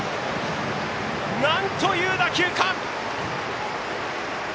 なんという打球か！